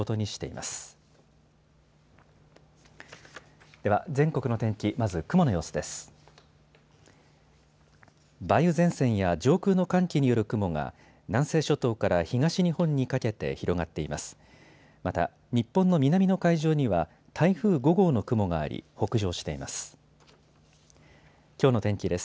また日本の南の海上には台風５号の雲があり北上しています。